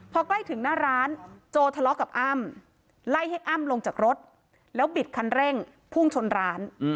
พอใกล้ถึงหน้าร้านโจทะเลาะกับอ้ำไล่ให้อ้ำลงจากรถแล้วบิดคันเร่งพุ่งชนร้าน